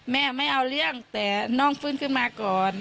แม่ไม่เอาเรื่องแต่น้องฟื้นขึ้นมาก่อน